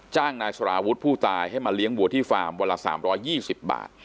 นายสารวุฒิผู้ตายให้มาเลี้ยงวัวที่ฟาร์มวันละ๓๒๐บาท